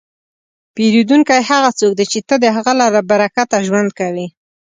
پیرودونکی هغه څوک دی چې ته د هغه له برکته ژوند کوې.